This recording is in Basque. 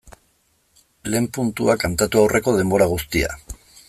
Lehen puntua kantatu aurreko denbora guztia.